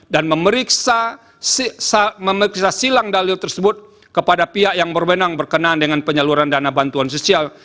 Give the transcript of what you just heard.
dan memeriksa silang dalil tersebut kepada pihak yang berbenang berkenaan dengan penyaluran dana bantuan sosial